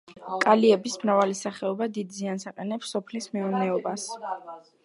კალიების მრავალი სახეობა დიდ ზიანს აყენებს სოფლის მეურნეობას.